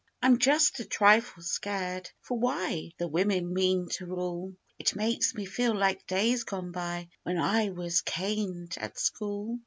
I'm just a trifle scared For why? The wimin mean to rule; It makes me feel like days gone by when I was caned at school.